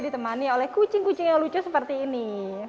ditemani oleh kucing kucing yang lucu seperti ini